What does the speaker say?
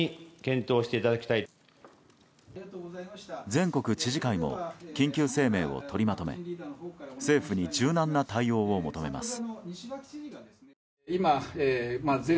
全国知事会も緊急声明を取りまとめ政府に柔軟な対応を求めます。